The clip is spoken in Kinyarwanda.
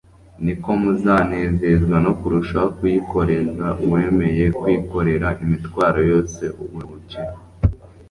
niko muzanezezwa no kurushaho kuyikoreza Uwemeye kwikorera imitwaro yose uburuhukiro